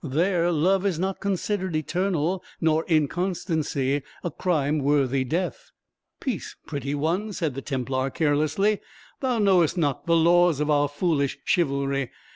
There, love is not considered eternal, nor inconstancy a crime worthy death." "Peace, pretty one!" said the Templar, carelessly; "thou knowest not the laws of our foolish chivalry.